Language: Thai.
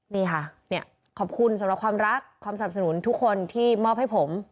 นี่ค่ะขอบคุณสำหรับความรักความสนับสนุนทุกคนที่มอบให้ผม